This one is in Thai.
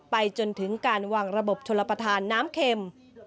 ไปจนถึงการวางระบบชลประธานน้ำเข็ม